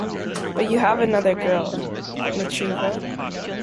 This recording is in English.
But you have another girl, Dmitrieva.